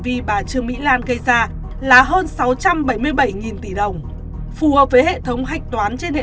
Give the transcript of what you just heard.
vì bà trương mỹ lan gây ra là hơn sáu trăm bảy mươi bảy tỷ đồng phù hợp với hệ thống hạch toán trên hệ